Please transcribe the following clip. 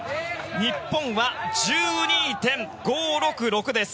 日本は１２．５６６です。